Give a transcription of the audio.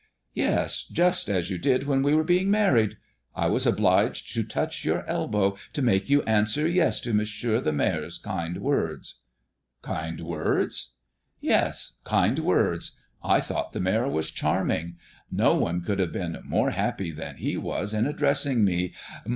"Yes, just as you did when we were being married. I was obliged to touch your elbow to make you answer yes to Monsieur the Mayor's kind words!" "Kind words?" "Yes, kind words. I thought the mayor was charming. No one could have been more happy than he was in addressing me.